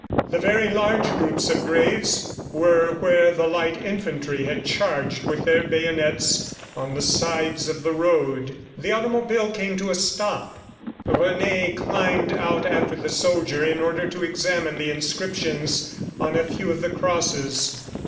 The very large groups of graves were where the light infantry had charged with their bayonets on the sides of the road. The automobile came to a stop. Rene climbed out after the soldier in order to examine the inscriptions on a few of the crosses.